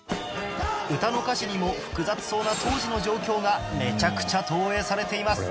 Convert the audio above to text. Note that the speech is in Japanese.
歌の歌詞にも複雑そうな当時の状況がめちゃくちゃ投影されています